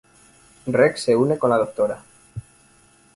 Rex se une con la Dra.